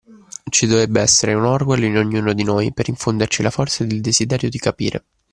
Ci dovrebbe essere un Orwell in ognuno di noi per infonderci la forza ed il desiderio di capire.